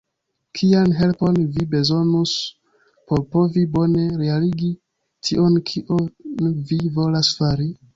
Kian helpon vi bezonus por povi bone realigi tion kion vi volas fari?